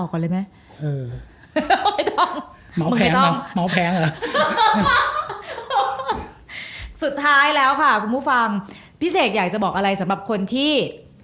แข็งแกร่งขนาดนี้